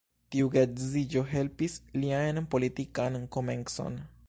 Tiu geedziĝo helpis lian politikan komencon.